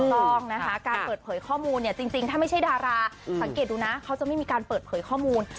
ต้องนะคะการเปิดเผยข้อมูลเนี่ยจริงถ้าไม่ใช่ดาราสังเกตดูนะเขาจะไม่มีการเปิดเผยข้อมูล